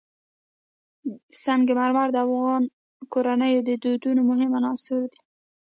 سنگ مرمر د افغان کورنیو د دودونو مهم عنصر دی.